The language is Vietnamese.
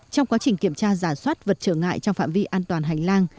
trong quá trình kiểm tra giả soát vật trở ngại trong phạm vi an toàn hành lang